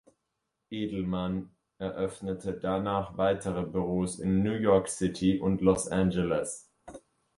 Edelman eröffnete danach weitere Büros in New York City und Los Angeles.